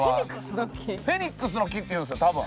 フェニックスの木っていうんです多分。